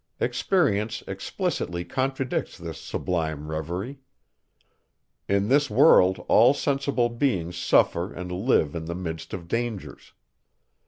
Experience explicitly contradicts this sublime reverie. In this world, all sensible beings suffer and live in the midst of dangers.